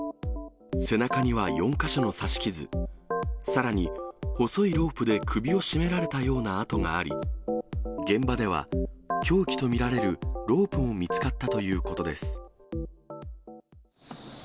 背中には４か所の刺し傷、さらに、細いロープで首を絞められたような痕があり、現場では凶器と見られるロープも見つかったということです。